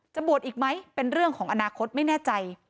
บวชอีกไหมเป็นเรื่องของอนาคตไม่แน่ใจ